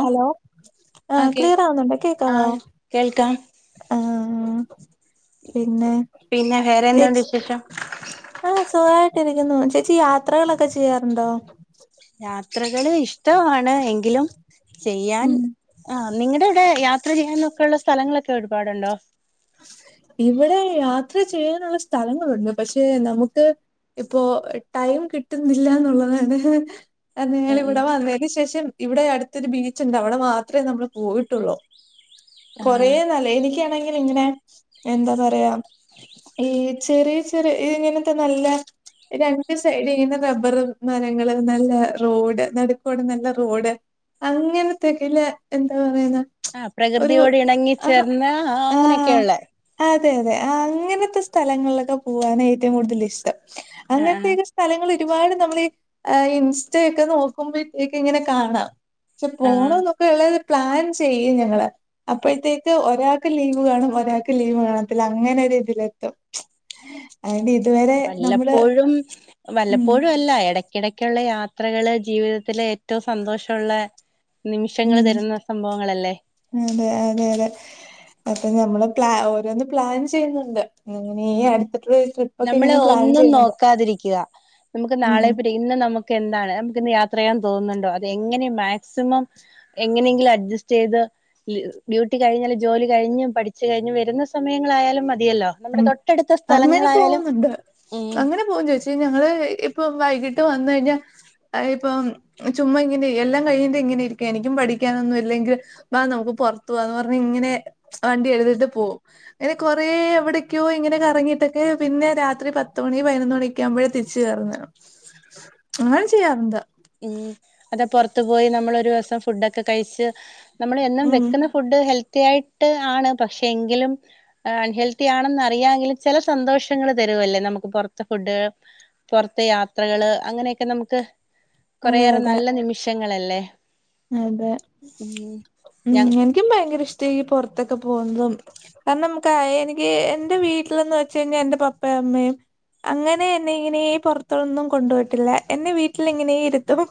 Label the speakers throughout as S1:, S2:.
S1: Hello
S2: ആ
S1: ആഹ
S2: കേൾ
S1: ക്ളിയറാ വുന്നുണ്ടോ
S2: ആ
S1: കേക്കാവാ
S2: കേൾക്കാം
S1: ആഹ പിന്നെ
S2: പിന്നെ വേറെ എന്തുണ്ട് വിശേഷം
S1: ആഹ സുഖായിട്ടിരിക്കുന്നു ചേച്ചി യാത്രകളൊക്കെ ചെയ്യാറുണ്ടോ
S2: യാത്രകള് ഇഷ്ടമാണ് എങ്കിലും ചെയ്യാൻ
S1: ഉം
S2: ആ നിങ്ങളുടെ ഇവിടെ യാത്ര ചെയ്യാനൊക്കെ ഉള്ള സ്ഥലങ്ങളൊക്കെ ഒരുപാടുണ്ടോ
S1: ഇവിടെ യാത്ര ചെയ്യാനുള്ള സ്ഥലങ്ങളുണ്ട് പക്ഷെ നമുക്ക് ഇപ്പോ ടൈം കിട്ടുന്നില്ല എന്നുള്ളതാണ് ഞങ്ങങ്ങളിവിടെ വന്നതിന് ശേഷം ഇവിടെ അടുത്തൊരു ബീച്ച് ഉണ്ട് അവിടെ മാത്രമേ നമ്മള് പോയിട്ടുള്ളൂ
S2: ആ
S1: കൊറേ നല്ല എനിക്ക് എനിക്കാണെങ്കിൽ ഇങ്ങനെ എന്താ പറയാ ഈ ചെറിയ ഇതിങ്ങനത്തെ നല്ല രണ്ട് സൈഡ് ഇങ്ങനെ റബ്ബർ മരങ്ങള് നല്ല റോഡ് നടുക്കോട് നല്ല റോഡ് അങ്ങനത്തക്കല്ല എന്താ പറയുന്ന
S2: ആ
S1: ഒരു
S2: പ്രകൃതിയോട് ഇണങ്ങി
S1: ആ
S2: ചേർന്ന്
S1: ആ
S2: അങ്ങനെയൊക്കെയ ഉള്ളത്
S1: അതെ അതെ ആ അങ്ങനത്തെ സ്ഥലങ്ങളിലൊക്കെ പോവാനാഏറ്റവും കൂടുതൽ ഇഷ്ടം
S2: ആ ആ
S1: അങ്ങനത്തെയക്കെ സ്ഥലങ്ങൾ ഒരുപാട് നമ്മൾ ഇൻസ്റ്റയൊക്കെ നോക്കുമ്പോഴത്തേക്ക് ഇങ്ങനെ കാണാം പക്ഷെ
S2: ആ
S1: പോണം എന്നൊക്കെ ഉള്ള പ്ലാൻ ചെയ്യും ഞങ്ങൾ അപ്പോഴത്തേക്ക് ഒരാൾ ഒരാൾക്ക് ലീവ് കാണും ഒരാൾക്ക് ലീവ് കാണത്തില്ല അങ്ങനെ ഇതിഅല എത്തും അ ഇതുവരെ
S2: വല്ലപ്പോഴും
S1: ഉം
S2: വല്ലപ്പോഴും എല്ലാം അല്ല ഇടക്കിടക്കുള്ള യാത്രകള് ജീവിതത്തിൽ ഏറ്റവും സന്തോഷമുള്ള നിമിഷങ്ങൾ
S1: ഉം
S2: തരുന്ന സംഭവങ്ങളല്ലേ
S1: അതെ അതെ അതെ അപ്പൊ ഞമ്മൾ ഓരോന്ന് പ്ലാൻ ചെയ്യുന്നുണ്ട് അങ്ങനെ അടുത്തിട്ടൊരു ട്രിപ്പ് ഒക്കെ
S2: നമ്മള
S1: ഇങ്ങനെ പ്ലാൻ
S2: ഒന്നും
S1: ചെയ്യുന്നുണ്ട്
S2: നോക്കാതിരിക്കുക നമുക്ക്
S1: ഉം
S2: നാളെ ഇന്ന് നമുക്ക് എന്താണ് നമുക്ക് ഇന്ന് യാത്ര ചെയ്യാൻ തോന്നുന്നുണ്ടോ അത് എങ്ങനെ മാക്സിമം എങ്ങനെയെങ്കിലും അഡ്ജസ്റ്റ് ചെയ്ത് ഡ്യൂട്ടി കഴിഞ്ഞാല് ജോലി കഴിഞ്ഞു പഠിച്ചു കഴിഞ്ഞു വരുന്ന സമയങ്ങളായാലും മതിയല്ലോ നമ്മുടെ
S1: ഉം
S2: തൊട്ടടുത്ത സ്ഥലങ്ങൾ
S1: അങ്ങനെ പോകുന്നുണ്ട് അങ്ങനെ പോകും ചേച്ചി ഞങ്ങള് ഇപ്പം വൈകിട്ട് വന്ന കഴിഞ്ഞാൽ ഇപ്പം ചുമ്മാ ഇങ്ങനെ എല്ലാം കഴിഞ്ഞിട്ട് ഇങ്ങനെ ഇരിക്കും എനിക്കും പഠിക്കാനൊന്നും ഇല്ലെങ്കിൽ ആ നമുക്ക് പുറത്തു പോവാന്ന് പറഞ്ഞ ഇങ്ങനെ വണ്ടി എഴുതിട്ട് പോകും അങ്ങനെ കൊറ എവിടെ ഇങ്ങനെയിട്ടൊക്കെ പിന്നെ രാത്രി പത്തുമണി പതിനൊന്ന് മണിയൊക്ക ആകുമ്പഴേ തിരിച്ച്കയറുന്നതാണ് അങ്ങനെ ചെയ്യാറുണ്ട്
S2: ഉം അത് പുറത്തു പോയി നമ്മൾ ഒരു ദിവസം ഫുഡൊക്കെ കഴിച്ച് നമ്മൾ എന്നും
S1: ഉം
S2: വെക്കുന്ന ഫുഡ് ഹെൽത്തി ആയിട്ട് ആണ് പക്ഷെ എങ്കിലും അൺഹെൽത്തി ആണെന്ന് അറിയാമങ്കിൽ ചില സന്തോഷങ്ങൾ തരുമല്ലേ നമുക്ക് പൊറത്തെ ഫുഡ് പൊർത്തെ യാത്രകള് അങ്ങനെയൊക്ക നമുക്ക്
S1: അതെ
S2: കൊറെയേറെ
S1: അതെ
S2: നല്ല നിമിഷങ്ങളല്ലെ.
S1: അതെ.
S2: ഞ
S1: ഉം എനിക്കും ഭയങ്കരിഷ്ട ഈ പൊർത്തൊക്കെ പോന്നതും [unintelligible] നമുക്ക് എനിക്ക് എന്റെ വീട്ടിലന്ന് വെച്ച് കഴിഞ്ഞാ എന്റെ പപ്പേ അമ്മേം അങ്ങനെ എന്നെ ഇങ്ങനേ പൊറത്തൊന്നും കൊണ്ടോയ്‌ട്ടില്ല. എന്നെ വീട്ടിലിങ്ങനേര്ത്തും. ഹും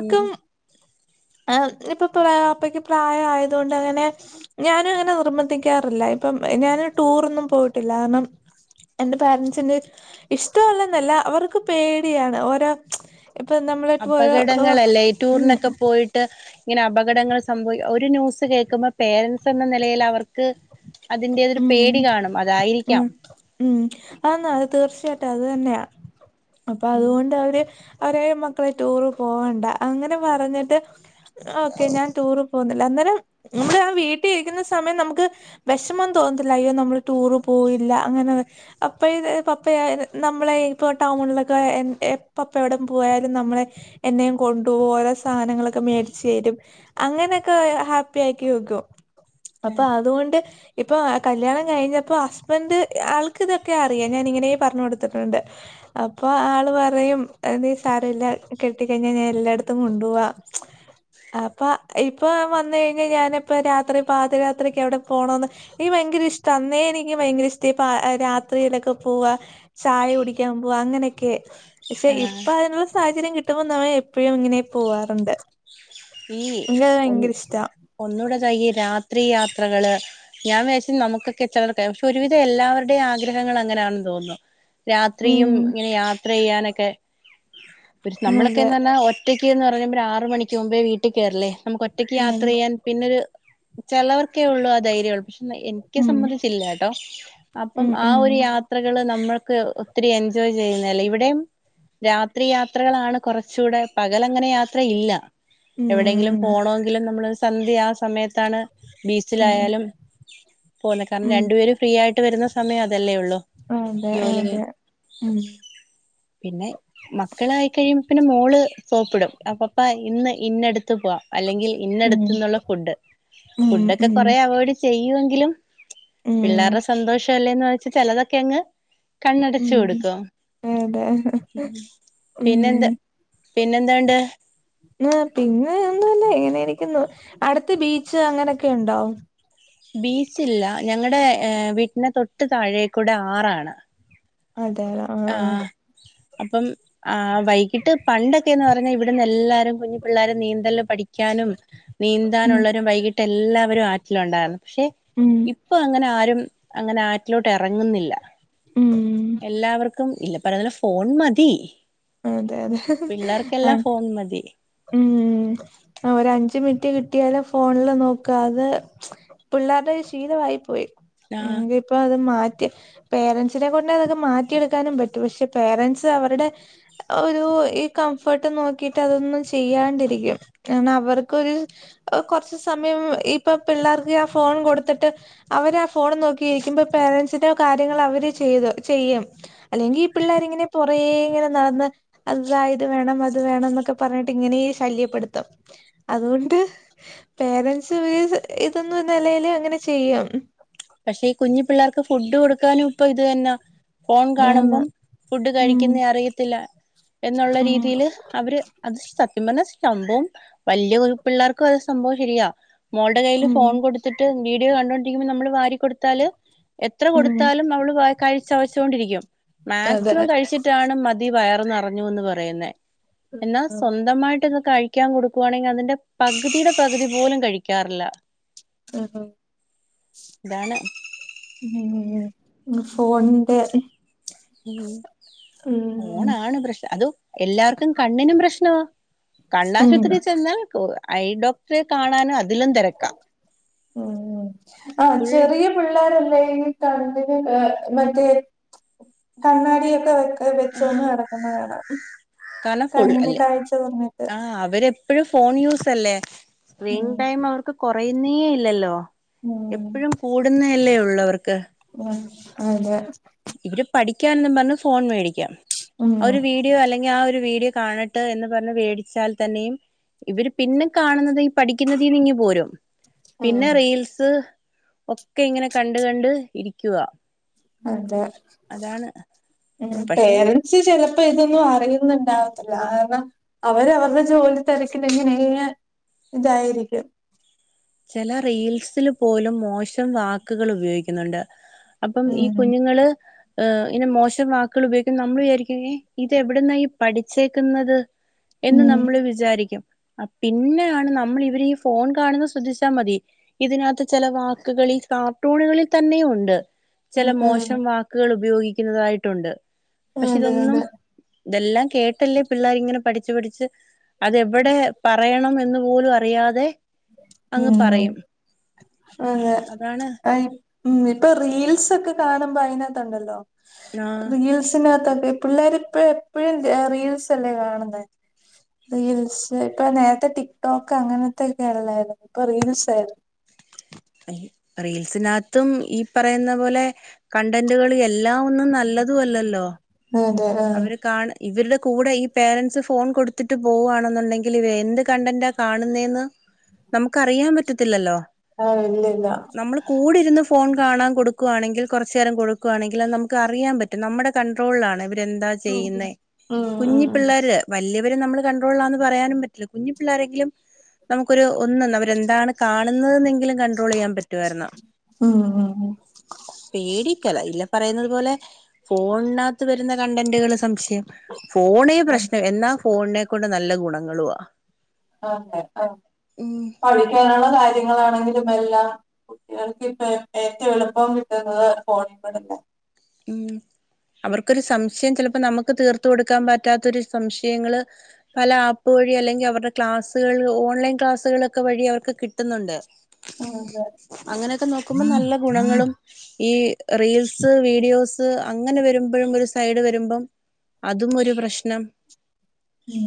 S2: ഉം
S1: ആ ഇപ്പൊ പ്രാ അപ്പക്ക് പ്രായായതോണ്ട് അങ്ങനെ ഞാനു അങ്ങന നിർമ്മന്ധിക്കാറില്ല ഇപ്പം ഞാന് ടൂറൊന്നും പോയിട്ടില്ലാണം എന്റെ പേരൻറ്സിന് ഇഷ്ടഅല്ലെന്നല്ല അവർക്ക് പേടിയാണ് ഓരോ ച്ച എപ്പൾ നമ്മ്ള്
S2: അപകടങ്ങളല്ലേയി ടൂർനൊക്ക പോയിട്ട് ങ്ങനെ അബകടങ്ങൾ സംഭവി ഒരു നൂസ് കേക്കുമ്പ പേരൻറ്സെന്ന നെലയിൽ അവർക്ക് അതിന്റേതൊര്
S1: ഉം
S2: പേടി കാണും അതായിരിക്കാം.
S1: ഉം ഉം. അന്നാ അത് തീർച്ചയായിട്ടു അതുതന്നെയാ അപ്പതുകൊണ്ടവര് ഒരേ മക്കളെ ടൂറ് പോവണ്ട അങ്ങന പറഞ്ഞ്ട്ട് ഓക്കെ ഞാൻ ടൂറ് പോന്ന്ല്ല. അന്നെരം നമ്മള് അ വീട്ടീരിക്കുന്ന സ് സമയം നമുക്ക് വെഷമം തോന്നത്തില്ലയ്യോ നമ്മള് ടൂറ് പോയില്ല അങ്ങന അപ്പ യിത് പപ്പയാ നമ്മളെ ഇപ്പൊ ടൗണിലൊക്ക എ എ പപ്പ എവിട പോയാലും നമ്മളെ എന്നേം കൊണ്ടുപോയൊരൊ സാനങ്ങളൊക്കെ മേട്ച്ചെരും. അങ്ങനൊക്ക ഹാപ്പി ആക്കി വെക്കും. അപ്പ അത് കൊണ്ട് ഇപ്പൊ അ കല്യാണം കഴിഞ്ഞപ്പൊ ഹസ്ബൻഡ് ആൾക്ക് തൊക്കെ അറിയാ. ഞാനിങ്ങനേ പറഞ്ഞ് കൊട്ത്ത്ട്ട്ണ്ട്. അപ്പൊ ആള് പറയും എനീ സാരല്ല കെട്ടിക്കഴിഞ്ഞാ ഞാനെല്ലാടത്തും കൊണ്ടോവാ. [inaudible] അപ്പ ഇപ്പൊ ഞാവന്ന് കഴിഞ്ഞയ്ഞ്ഞ ഞാന്പ്പ രാത്രി പ്പാതിരാത്രിക്കെവ്ടെ പോണോന്ന് [inaudible] ഈ ഭയങ്കരിഷ്ട അന്നേ എനിക്ക് ഭയങ്കരിഷ്ട ഇപ്പ അ രാത്രിയിലൊക്ക പോവാ. ച്ചായ കുടിക്കാം പോവ അങ്ങനെക്കെ. എക്ഷെ
S2: ആഹ്
S1: ഇപ്പതിനുള് സാഹചര്യം കിട്ടുമ്പം [unintelligible] എപ്പഴും ഇങ്ങനെ പോവാറുണ്ട്. [inaudible] യങ്കരിഷ്ടാ
S2: ഒന്നൂട [inaudible] രാത്രീ യാത്രകള്. ഞാം [unintelligible] നമുക്കൊക്കെ [unintelligible] ഷെ ഒരുവിതെ എല്ലാവര്ടെം ആഗ്രഹങ്ങളങ്ങനാണെന്ന് ‌ തോന്നു. രാത്രിയും
S1: ഉം
S2: ങ്ങനെ യാത്രെയ്യാനൊക്കെ [inaudible]
S1: അതെ
S2: നമ്മളൊക്കെന്ന് [unintelligible] റ്റയ്ക്ക്ന്ന്റയുമ്പരാറ് മണിക്ക് മുമ്പേ വീട്ടി ക്കേറില്ലേ നമുക്കൊറ്റയ്ക്ക്
S1: അതെ
S2: യാത്രെയ്യാൻ. പിന്നൊര് ചെലോർക്കേ ഉള്ളൂ ആ ധൈര്യൾ ക്ഷെന്ന എൻക്കി
S1: ഉം
S2: സമ്മന്തിച്ചില്ലാട്ടോ അപ്പം
S1: ഉം
S2: ആ
S1: ഉം
S2: ഒരു യാ ത്രകള് നമ്മൾക്ക് ഒത്തിരിയെൻജോയ് ചെയ്യുന്നതല്ലെ. ഇവിടെം രാത്രി യാത്രകളാണ് കൊറച്ചൂടെ പകലങ്ങന യാത്രയില്ല. എവിടെങ്കിലും
S1: ഉം
S2: പോണോങ്കില് നമ്മള് സന്ധ്യ ആ സമയത്താണ്
S1: ഉം
S2: ബീച്ചിലായാലും [unintelligible]
S1: ഉം
S2: രണ്ടുപേരു ഫ്രീ ആയിട്ട് വരുന്ന സമയതല്ലേ ഉള്ളൂ.
S1: അതെ
S2: ജോലി കഴി
S1: അതെ ഉം
S2: പിന്നെ മക്കളായി കഴിയു പിന്ന മോള് സോപ്ടും അപപ്പാ ഇന്ന് ഇന്നട്ത്ത് പൊഅ അല്ലെങ്കിൽ
S1: ഉം
S2: ഇന്നട്ത്ത്ന്നുള്ള ഫുഡ്
S1: ഉം
S2: ഫുഡൊക്കെ
S1: ഉം
S2: കൊറേ അവോയ്ഡ് ചെയ്യുവെങ്കിലും
S1: ഉം
S2: പിള്ളേരെ സന്തോഷല്ലേന്ന് വച്ച് ചെലതൊക്കെയങ്ങ് കണ്ണടച്ച്
S1: ഉം
S2: കൊടുക്കൊ?
S1: അതെ ഉം
S2: പിന്നെന്ത്? പിന്നെന്താണ്ട്?
S1: ങ് പിന്നെ ഒന്നുല്ല ഇങ്ങനെരിക്കുന്നു അടുത്ത് ബീച്ച് അങ്ങനൊക്കെണ്ടോ?
S2: ബീച്ചില്ല. ഞങ്ങടെ വീട്ടിന്റെ തൊട്ട് താഴേക്കൂടെ ആറാണ്.
S1: അതെ ആഹ് ആഹ്
S2: അപ്പം ആ വൈകിട്ട് പണ്ടൊക്കെന്ന് പറഞ്ഞാ ഇവിടുന്നെല്ലാരും കുഞ്ഞ് പിള്ളാര് നീന്തല് പഠിക്കാനും
S1: ഉം
S2: നീന്താനുള്ളരു വൈകി ട്ടെല്ലാവരു ആറ്റിലുണ്ടാരുന്നു ഷെ
S1: ഊം.
S2: പ്പ അങ്ങനാരും അങ്ങനാറ്റിലോട്ടെറങ്ങ്ന്ന്ല്ല
S1: ഉം
S2: എല്ലാവർ തും ഇല്ല [unintelligible] ഫോൺ മതി.
S1: അതെ
S2: പിള്ളേർക്കെല്ലാ ഫോൺ മതി.
S1: ഉംമ് ആ ഒരഞ്ച് മിനിറ്റ് കിട്ടിയാലും ഫോണില് നോക്ക അത്. പിള്ളാരുടൊരു ശീലമായി പോയി.
S2: ആ
S1: എങ്കിപ്പൊ അത് മാറ്റി പേരൻസിനെ കൊണ്ടെ അതൊക്കെ മാറ്റിയെടുക്കാനും പറ്റും. പക്ഷെ പേരൻസ് അവരുടെ- ഒരു ഈ കംഫർട്ട് നോക്കിട്ട് അതൊന്നും ചെയ്യാണ്ടിരിക്കും. കാരണം അവർക്കൊരു കൊറച്ച് സമയം. ഇപ്പൊ പിള്ളേർക്ക് ആ ഫോൺ കൊടുത്തിട്ട് അവരാ ഫോണും നോക്കിയിരിക്കുമ്പോ പേരൻസിന്റെ കാ ര്യങ്ങള് അവര് ചെയ്ത് ചെയ്യും അല്ലെങ്കി ഈ പിള്ളേരിങ്ങനെ പുറകേ ഇങ്ങനെ നടന്ന് അതാ ഇത് വേണം അത് വേണന്നൊക്കെ പറഞ്ഞിട്ട് ഇങ്ങനേ ശല്യപ്പെടുത്തും. അതുകൊണ്ട് പേരൻസ് [inaudible] ഇതൊന്നും നെലേൽ അങ്ങനെ ചെയ്യും.
S2: പക്ഷെ ഈ കുഞ്ഞു പിള്ളേർക്ക് ഫുഡ് കൊടുക്കാനും ഇപ്പൊ ഇത് തന്നെ. ഫോൺ
S1: ആന്ന്
S2: കാണുമ്പം ഫുഡ്
S1: ഉം
S2: കഴിക്കുന്നേ അറിയത്തില്ല എന്നുള്ള
S1: ഉം
S2: രീതിയില്. അവര് അത് സത്യം പറഞ്ഞ സംഭവം വ ല്യ പിള്ളേർക്കും അത് സംഭവം ശരിയാ മോള്ടെ കയ്യില്
S1: ഉം
S2: ഫോൺ കൊടുത്തിട്ട് വീഡിയോ കണ്ടോണ്ടിരിക്കുമ്പോ നമ്മള് വാരി കൊടുത്താല്. എത്ര
S1: ഉം
S2: കൊടുത്താലും അവള് വാ കഴ്ചവച്ചൊണ്ടിരിക്കും.
S1: അതെ
S2: മാക്സിമം കഴിച്ചിട്ടാണ് മതി വയർ നറഞ്ഞുന്ന് പറയുന്നേ എന്നാ
S1: ആഹ്
S2: സ്വന്തമായിട്ട് ഇന്ന് കഴി കഴിക്കാൻ കൊടുക്കു വാണെങ്കി അതിന്റെ പകുതിയുടെ പകുതി പോലും കഴിക്കാറില്ല.
S1: [unintelligible]
S2: ഇതാണ്.
S1: ഹേ ഈ ഫോൺ ന്റെ
S2: ഉം
S1: ഉം
S2: പോണാണ് പ്രശ്നം അതും എല്ലാവർക്കും കണ്ണിനും പ്രശ്നമാ
S1: ഉം
S2: കണ്ണാശുപത്രി ചെന്ന് ഐ ഡോക്ടറെ കാണാനും അതിലും തെരക്കാ ഫുൾ
S1: പിള്ളേർല്ലേ ഈ കണ്ണിന് മറ്റേ കണ്ണാടി ഒക്കെ വെക്ക ത് വെച്ചോന്ട്
S2: ആഹ്
S1: ഇറങ്ങുന്നേ കാണാം കണ്ണിന് കാഴ്ച കൊറഞ്ഞിട്ട്
S2: ആഹ് അവരെപ്പോഴും ഫോൺ യൂസ്ല്ല്ലേ? സ്ക്രീൻ
S1: ഉം
S2: ടൈം അവർക്ക് കുറയുന്നേ ഇല്ലല്ലോ?
S1: ഉം
S2: ഇപ്പഴും കൂടുന്നല്ലേ ഉള്ളവർക്ക്?
S1: ഹും അതെ
S2: ഇവര് പഠിക്കാൻന്നും പറഞ് ഫോൺ മേടിക്കാ
S1: ഉം
S2: അവര് വീ ല്ലെങ്കി ആഹ് ഒരു വീഡിയോ കാണട്ടെ എന്ന് പറഞ്ഞ് മേടിച്ചാൽ തന്നെയും ഇവര് പിന്നും കാണുന്നത് പഠിക്കുന്ന തീന്ന് ഇങ്ങ് പോരും പിന്നെ
S1: ഉം
S2: റീൽസ് ഒക്കെ ഇങ്ങനെ കണ്ട് കണ്ട് ഇരിക്കുവാ.
S1: അതെ
S2: അതാണ്
S1: ഹും
S2: പക്ഷെ
S1: പേര് ചി ചിലപ്പോ ഇതൊന്നും അറിയുന്നുണ്ടാവത്തില്ല കാരണം അവര് അവരുടെ ജോലി തരക്കില് ങ്ങനെ ഇതായിരിക്കും
S2: ചല റീൽസില് പോലും മോശം വാക്കുകൾ ഉപയോഗിക്കുന്നുണ്ട് അപ്പം ഈ
S1: ഉം
S2: കുഞ്ഞുങ്ങള് മോശം വാക്കുകൾ ഉപയോഗിക്കുന്ന നമ്മൾ വിചാരിക്കും ഏ ഇത് എവിടുന്നാ ഈ പഠിച്ചേക്കുന്നത് എന്ന്
S1: ഉം
S2: നമ്മള് വിചാരിക്കും പിന്നെയാണ് നമ്മൾ ഇവര് ഈ ഫോൺ കാണുന്ന ശ്രദ്ധിച്ചാൽ മതി ഇതിനകത്ത് ചല വാക്കുകൾ ഈ കാർട്ടൂണുകളിൽ തന്നെ ഉണ്ട് ചല
S1: ഉം ഉം
S2: മോശം വാക്കുകൾ ഉപയോഗിക്കുന്നതായിട്ടുണ്ട് പക്ഷെ
S1: അതെ
S2: ഇതൊന്നും
S1: അതെ
S2: ഇതെല്ലാം കേട്ടല്ലേ പിള്ളേരിങ്ങനെ പഠിച്ച് പഠിച്ച് അതവിടെയാ പറയണം എന്ന് പോലും അറിയാതെ അങ്ങ്
S1: മ്മ്
S2: പറയും
S1: അതെ
S2: അതാണ്
S1: മ്മ് ഇപ്പൊ റീൽസ് ക്കെ കാണുമ്പോ അയിനാത്തുണ്ടല്ലോ
S2: ആഹ്
S1: റീൽസിനകത്തൊക്കെ പിള്ളേർ പ്പോ എപ്പഴും റീൽസ് അല്ലേ കാണുന്നേ റീൽസ് ഇപ്പ നേരത്തെ ടിക്ടോക്ക് അങ്ങനത്തെക്കെ ഉള്ളായിരുന്നു ഇപ്പൊ റീൽസ് ആയിരുന്നു
S2: റീൽസിനകത്തും ഈ പ പറയുന്ന പോലെ കണ്ടന്റുകൾ എല്ലാം ഒന്നും നല്ലതും അല്ലല്ലോ?
S1: അതെ ആഹ്
S2: അവര് കാണ് ഇവരുടെ കൂടെ ഈ പേരൻറ്സ് ഫോൺ കൊടുത്തിട്ട് പോവുകവാണെന്നുണ്ടെങ്കിൽ എന്ത് കണ്ടന്റ കാണുന്നന്ന് നമുക്കറിയാൻ പറ്റത്തില്ലല്ലോ
S1: ആഹ് ഇല്ല ഇല്ല
S2: നമ്മള് കൂടിരുന്ന് ഫോൺ കാണാൻ കൊടുക്കുവാണെങ്കിൽ കൊറച്ചേരം കൊടുക്കുവാണെങ്കിലത് നമുക്ക് അറിയാൻ പറ്റും നമ്മടെ കൺട്രോളിലാണ് ഇവരെന്താ
S1: ഉം
S2: ചെയ്യുന്നെ
S1: ഉം ഉം
S2: കുഞ്ഞി പിള്ളേര് വല്യവര് നമ്മള് കൺട്രോൾലാന്ന് പറയാനും പറ്റില്ല കുഞ്ഞിപ്പിള്ളാരെങ്കിലും നമക്കൊരു ഒന്നൊന്നവരെന്താണ് കാണുന്നതന്നെങ്കിലും കണ്ട്രോള് ചെയ്യാൻ പറ്റുവാരുന്നു.
S1: ഉം ഉം ഉം.
S2: പേടിക്കല ഇല്ലം പറയുന്നത് പോലെ ഫോണിനകത്ത് വരുന്ന കണ്ടന്റുകള് സംശയം. ഫോണെ
S1: ഉം,
S2: പ്രശ്നം. എന്നാ ഫോണിനെക്കൊണ്ട് നല്ല ഗുണങ്ങളുവാ.
S1: ആതെ ആഹ്.
S2: ഉം
S1: പഠിക്കാനുള്ള കാര്യങ്ങളാണെങ്കിലും എല്ലാം കുട്ടികൾക്ക് ഇപ്പ ഏറ്റവും എളുപ്പം കിട്ടുന്നത് ഫോണിക്കൂടല്ലേ.
S2: മം അവർക്കൊരു സംശയം, ചിലപ്പോ നമുക്ക് തീർത്ത് കൊടുക്കാൻ പറ്റാത്തൊരു സംശയങ്ങള് പല ആപ്പ് വഴി. അല്ലെങ്കി അവരുടെ ക്ലാസ്സുകൾ, ഓൺലൈൻ ക്ലാസ്സുകളൊക്കെ വഴി അവർക്ക് കിട്ടുന്നുണ്ട്
S1: അതെ
S2: അങ്ങനെയൊക്കെ നോക്കുമ്പോ നല്ല ഗുണങ്ങളും. ഈ റീൽസ് വീ വീഡിയോസ് അങ്ങനെ വരുമ്പോഴും. ഒരു സൈഡ് വരുമ്പം അതും ഒരു പ്രശ്നം
S1: മം.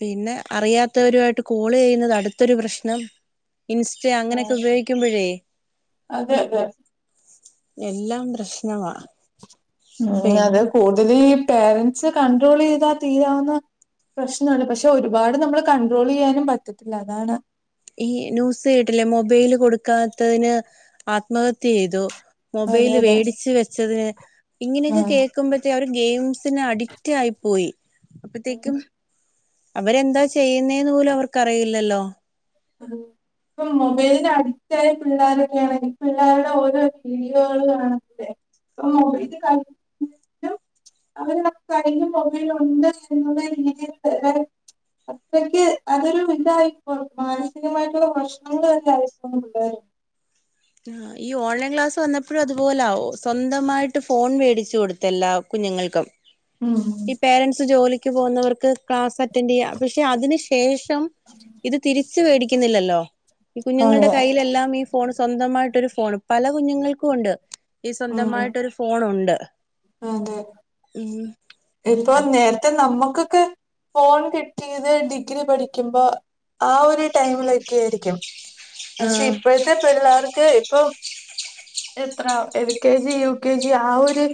S2: പിന്നെ അറിയാത്തവരുമായിട്ട് കോള് ചെയ്യുന്നത് അടുത്തൊരു പ്രശ്നം. ഇൻസ്റ്റ അങ്ങനെയൊക്കെ
S1: ആഹ്
S2: ഉപയോഗിക്കുമ്പോഴേ?
S1: അതെ അതെ.
S2: എല്ലാം പ്രശ്നവാ. ഇപ്പൊ
S1: മം അത്
S2: എങ്ങനെ
S1: കൂടുതലും ഈ പേരൻസ് കണ്ട്രോള് ചെയ്താ തീരാവുന്ന പ്രശ്നോള്ള് പക്ഷെ ഒരുപാട് നമ്മള് കൺട്രോള് ചെയ്യാനും പറ്റത്തില്ല അതാണ്.
S2: ഈ ന്യൂസ് കേട്ടില്ലേ മൊബൈല് കൊടുക്കാത്തതിന് ആത്മഹത്യ ചെയ്തു.
S1: അതെ
S2: മൊബൈല്
S1: അതെ
S2: വേടിച്ച് വെച്ചതിന്. ഇങ്ങനെയൊക്കെ
S1: ആഹ്
S2: കേക്കുമ്പ റ്റെ അവര് ഗെയിംസിന് അഡിക്റ്റ് ആയി പോയി അപ്പോത്തേക്കും അവരെന്താ ചെയ്യുന്നേന്ന് പോലും അവർക്കറിയില്ലല്ലോ?
S1: [unintelligible] ഇപ്പൊ മൊബൈലിന് അഡിക്റ്റായ പിള്ളേരുടെ പിള്ളേരുടെ ഓരോ വീഡിയോകള് കാണുമ്പഴെ. ഓഹ് ഇത് ക [unintelligible] അവര് നമുക്ക് അതിന് മുകളിലുണ്ട് എന്നുള്ള രീതിയിൽ തരാ അത്രയ്ക്ക് അതൊരു ഇതായിപ്പോ മാനസികമായിട്ടുള്ള പ്രശ്നങ്ങളിൽ ആയിപ്പോകും പിള്ളേര്.
S2: ആഹ് ഈ ഓൺലൈൻ ക്ലാസ്സ് വന്നപ്പോഴും അതുപോലാ. സ്വന്തമായിട്ട് ഫോൺ മേടിച്ചു കൊടുത്തെല്ലാ കുഞ്ഞുങ്ങൾക്കും ഈ പേരന്റ്സ് ജോലിക്ക് പോകുന്നവർക്ക് ക്ലാസ് അറ്റ റ്റാൻഡ്യാ പക്ഷെ അതിന് ശേഷം ഇത് തിരിച്ച് മേടിക്കുന്നില്ലല്ലോ? ഈ കുഞ്ഞുങ്ങളുടെ
S1: അതെ
S2: കൈയ്യിലെല്ലാം ഈ ഫോ ഫോൺ സ്വന്തമായിട്ടൊരു ഫോണ്. പല കുഞ്ഞുങ്ങൾക്കും ഉണ്ട്. ഈ
S1: ഉം
S2: സ്വന്തമായിട്ടൊരു ഫോൺ ഉണ്ട്.
S1: അതെ. ഇപ്പൊ
S2: അത്
S1: നേരത്തെ നമ്മുക്കൊക്കെ ഫോൺ കിട്ടിയത് ഡിഗ്രി പഠിക്കുമ്പോ. ആ ഒരു ടൈമിലൊക്കെ ആരിക്കും.
S2: ആ
S1: പക്ഷെ ഇപ്പഴ ത്തെ പിള്ളേർക്ക് ഇപ്പം എത്ര L K G, U K G ആ ഒര്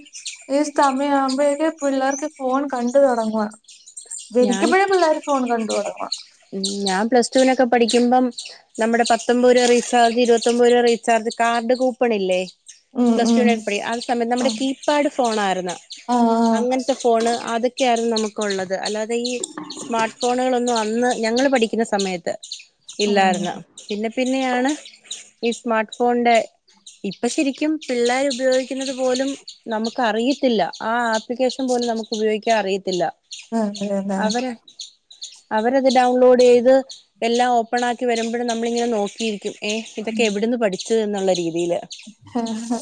S1: ഈ സമയം ആവുമ്പോഴേക്കെ പിള്ളേർക്ക് ഫോൺ കണ്ട് തുടങ്ങുവാ.
S2: ഞാൻ
S1: ജനിക്കുമ്പഴേ പിള്ളേര് ഫോൺ കണ്ടു തുടങ്ങുവാ.
S2: ഉം ഞാൻ പ്ലസ് ടുവിനൊക്കെ പഠിക്കുമ്പം. നമ്മടെ പത്തൊമ്പത് രൂപ റീചാർജ്, ഇരുപത്തൊമ്പത് രൂപ റീചാർജ് കാർഡ് കൂപ്പണില്ലേ?
S1: ഉം
S2: പ്ലസ് ടു
S1: ഉം
S2: നൊക്കെ പടി ആ സമയത്ത് നമ്മുടെ
S1: ആഹ്
S2: കീ പ്പാട് ഫോണാര്ന്ന്
S1: ആഹ്
S2: അങ്ങനത്തെ ഫോണ് അത് ക്കെയാരുന്നു നമുക്ക് ഉള്ളത്. അല്ലാതെ ഈ സ്മാർട്ട് ഫോണുകളൊന്നും അന്ന് ഞങ്ങള് പഠിക്കുന്ന സമയത്ത്
S1: ഉം
S2: ഇല്ലാരുന്നു പിന്നെ പിന്നെയാണ് ഈ സ്മാർട്ട് ഫോണിന്റെ ഇപ്പൊ ശരിക്കും പിള്ളേരുപയോഗിക്കുന്നത് പോലും നമുക്ക് അറിയത്തില്ല, ആ ആപ്ലിക്കേഷൻ പോലും നമുക്ക് ഉപയോഗിക്കാൻ അറിയത്തില്ല.
S1: അതെല്ലേ
S2: അവര് അവരത് ഡൗൺലോഡ് ചെയ്ത് എല്ലാം ഓപ്പൺ ആക്കി വരുമ്പഴും നമ്മളിങ്ങനെ നോക്കിയിരിക്കും ഏഹ് ഇതൊക്കെ എവിടെന്ന് പഠിച്ചത് എന്നുള്ള രീതിയില്
S1: ആഹ്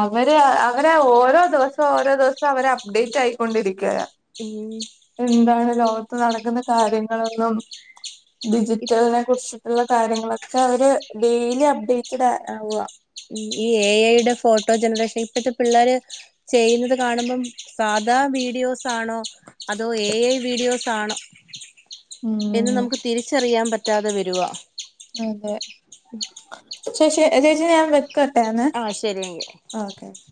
S1: അവര് അവരാ ഓരോ ദിവസം ഓരോ ദിവസം അവര് അപ്ഡേറ്റ് ആയിക്കൊണ്ടിരിക്കയ
S2: ഉം
S1: എന്താണ് ലോകത്ത് നടക്കുന്ന കാര്യങ്ങളെന്നും ഡിജിറ്റല് കുറിച്ചിട്ടുള്ള കാര്യങ്ങളൊക്കെ അവര് ഡെയിലി അപ്ഡേറ്റഡ് ആവ
S2: ഈ എ ഐയുടെ ഫോട്ടോ ജനറേഷൻ ഇപ്പത്തെ പിള്ളോര് ചെയ്യുന്നത് കാണുമ്പം സാധാ വീഡിയോസ്ആണോ അതോ എ ഐ വീഡിയോസ് ആണോ എന്ന്
S1: ഉം
S2: നമുക്ക് തിരിച്ചറിയാൻ പറ്റാതെ വരുവ
S1: അതെ ചേച്ചി ചേച്ചി ഞാൻ കട്ടന്ന്
S2: ആ ശരിയെങ്കിൽ
S1: ആ